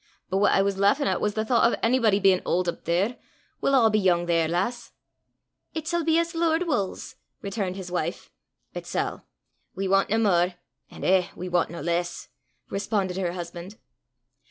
But what I was lauchin' at was the thoucht o' onybody bein' auld up there. We'll a' be yoong there, lass!" "It sall be as the Lord wulls," returned his wife. "It sall. We want nae mair; an' eh, we want nae less!" responded her husband.